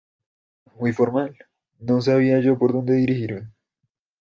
¡Muy formal! no sabía yo por dónde dirigirme.